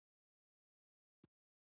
ګاز د افغانستان د زرغونتیا نښه ده.